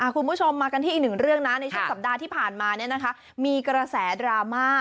คุณผู้ชมมากันที่อีกหนึ่งเรื่องนะในช่วงสัปดาห์ที่ผ่านมามีกระแสดราม่า